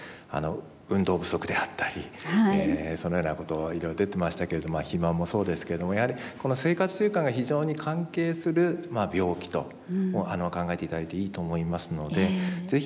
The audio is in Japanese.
運動不足であったりそのようなこといろいろ出てましたけれど肥満もそうですけれどもやはりこの生活習慣が非常に関係する病気と考えて頂いていいと思いますので是非